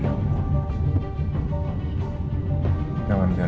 saya gak mau dibisarkan dari anak saya ren